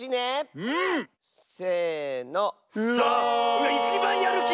うわいちばんやるき！